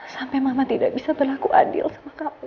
sampai mama tidak bisa berlaku adil sama kamu